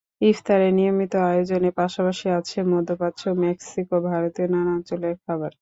ইফতারের নিয়মিত আয়োজনের পাশাপাশি আছে মধ্যপ্রাচ্য, মেক্সিকো, ভারতীয় নানা অঞ্চলের খাবার।